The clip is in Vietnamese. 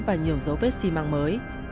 và nhiều dấu vết xi măng mới